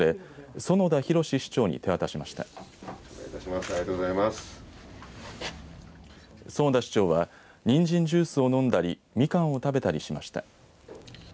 園田市長はにんじんジュースを飲んだりみかんを食べたりしました。